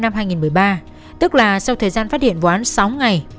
ngày tám tháng hai năm hai nghìn một mươi ba tức là sau thời gian phát hiện vụ án sáu ngày